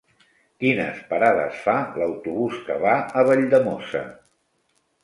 Quines parades fa l'autobús que va a Valldemossa?